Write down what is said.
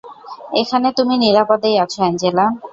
এখানে তুমি নিরাপদেই আছো, অ্যাঞ্জেলা।